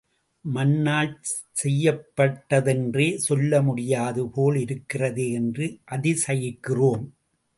மண்ணால் செய்யப்பட்டதென்றே சொல்ல முடியாது போல் இருக்கிறதே என்று அதிசயிக்கிறோம்.